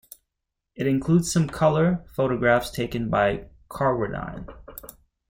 It includes some colour photographs taken by Carwardine.